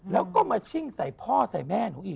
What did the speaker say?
แล้วก็มาชิ่งใส่พ่อใส่แม่หนูอีก